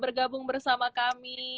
bergabung bersama kami